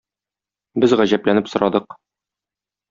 Без гаҗәпләнеп сорадык